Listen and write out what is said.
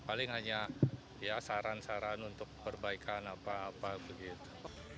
paling hanya saran saran untuk perbaikan apa apa gitu